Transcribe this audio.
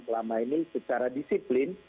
selama ini secara disiplin